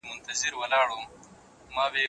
پس انداز به هیڅکله په تاوان کي نه وي.